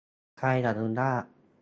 ใครอนุญาต